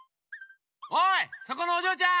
おいそこのおじょうちゃん！